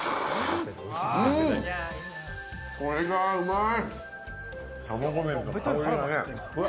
これはうまい！